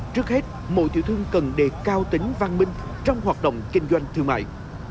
trước hết mỗi tiểu thương cần đề cao tính văn minh trong hoạt động kinh doanh thương mại